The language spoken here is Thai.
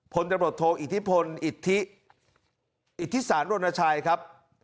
พลตำรวจโทอิทธิพลอิทธิสารรณชัยครับ